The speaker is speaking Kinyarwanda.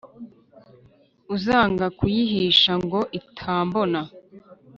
uzanga kuyihisha ngo itambona;